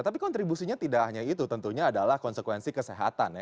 tapi kontribusinya tidak hanya itu tentunya adalah konsekuensi kesehatan ya